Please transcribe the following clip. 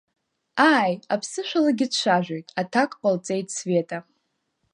Ааи, аԥсышәалагьы дцәажәоит, аҭак ҟалҵеит Света.